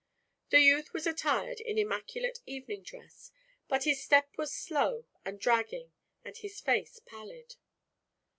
The youth was attired in immaculate evening dress, but his step was slow and dragging and his face pallid.